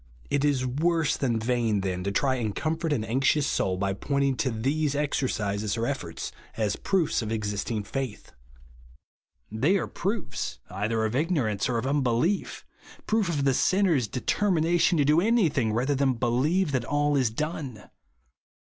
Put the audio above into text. It is worse than vain, then, to try and comfort an anxious soul by BELIEVE AND BE SAVED. 115 pointing to these exercises or efforts as proofs of existing faith. They are proofs either of ignorance or of mibelief.— proofs of the sinner's determination to do any thing rather than believe that all is done.